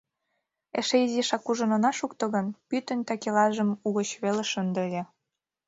Эше изишак ужын она шукто гын — пӱтынь такелажым угыч веле шынде ыле.